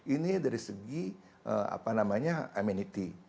ini dari segi apa namanya amenity